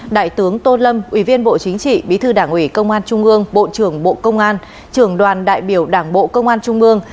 đại tướng tô lâm ủy viên bộ chính trị bí thư đảng ủy công an trung ương bộ trưởng bộ công an trưởng đoàn đại biểu đảng bộ công an trung ương